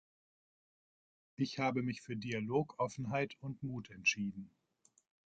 Ich habe mich für Dialog, Offenheit und Mut entschieden.